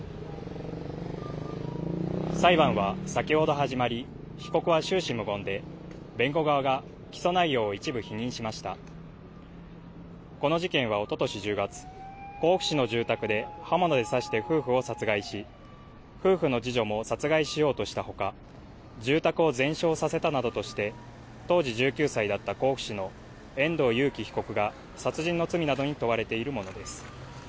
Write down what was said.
裁判は先ほど始まり被告は終始無言で弁護側が起訴内容を一部否認しましたこの事件はおととし１０月甲府市の住宅で刃物で刺して夫婦を殺害し夫婦の次女も殺害しようとしたほか住宅を全焼させたなどとして当時１９歳だった甲府市の遠藤裕喜被告が殺人の罪などに問われているものです